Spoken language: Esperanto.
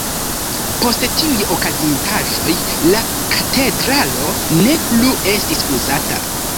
Post tiuj okazintaĵoj la katedralo ne plu estis uzata.